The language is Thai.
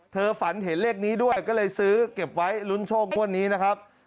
ฝันเห็นเลขนี้ด้วยก็เลยซื้อเก็บไว้ลุ้นโชคงวดนี้นะครับ